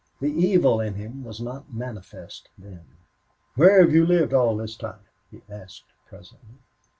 The evil in him was not manifest then. "Where have you lived all this time?" he asked, presently.